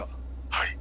はい。